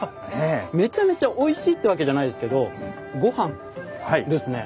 めちゃめちゃおいしいってわけじゃないですけど「ごはん」ですね。